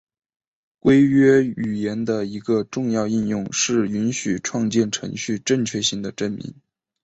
规约语言的一个重要应用是允许创建程序正确性的证明。